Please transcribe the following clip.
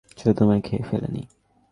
সে তোমায় খেয়ে ফেলেনি।